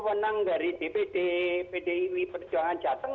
itu menang dari dpd pdip perjuangan jateng